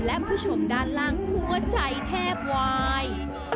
และผู้ชมด้านล่างหัวใจแทบวาย